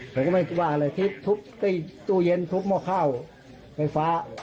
ผมก็ไม่คิดว่าอะไรที่ทุบตู้เย็นทุบหม้อข้าวไฟฟ้า